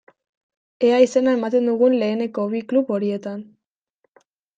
Ea izena ematen dugun lehenengo bi klub horietan.